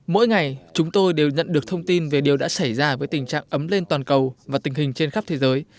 mỗi ngày chúng tôi đều nhận được thông tin về điều đã xảy ra với tình trạng ấm lên toàn cầu và tình hình trên khắp thế giới